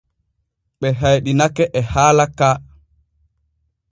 Ɓe hayɗinake e haala ka.